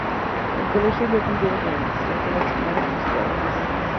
El Colegio había cumplido con la misión que le asignaron sus creadores.